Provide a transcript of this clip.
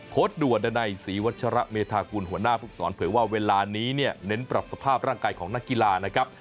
โค้ดด่วนในศรีวัชระเมธากุลหัวหน้าภูมิสอนเผื่อว่าเวลานี้เน้นปรับสภาพร่างกายของนักกีฬานะครับ